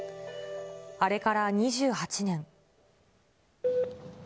あれから２８年。